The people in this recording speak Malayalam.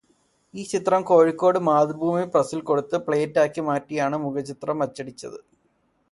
ഈ ചിത്രം കോഴിക്കോട് മാതൃഭൂമി പ്രസ്സിൽ കൊടുത്തതു പ്ലേറ്റ് ആക്കി മാറ്റിയാണ് മുഖചിത്രം അച്ചടിച്ചത്.